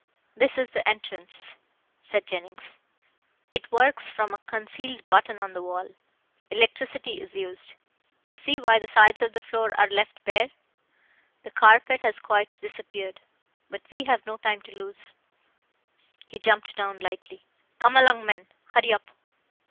"This is the entrance," said Jennings, "it works from a concealed button on the wall. Electricity is used. You see why the sides of the floor are left bare; the carpet has quite disappeared. But we have no time to lose," he jumped down lightly. "Come along men, hurry up."